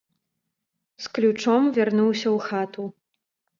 З ключом вярнуўся ў хату.